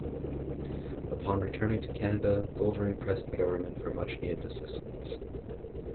Upon returning to Canada, Goldring pressed the government for much needed assistance.